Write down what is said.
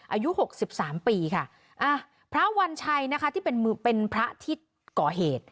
อายุหกสิบสามปีค่ะพระวัญชัยนะคะที่เป็นมือเป็นพระที่ก่อเหตุ